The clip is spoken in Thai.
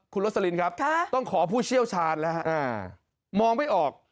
คุณโรสลินครับต้องขอผู้เชี่ยวชาญแล้วฮะมองไม่ออก